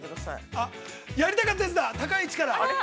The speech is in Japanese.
◆やりたかったやつだ、高い位置から。